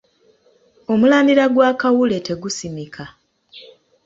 Omulandira gwa kawule tegusimika.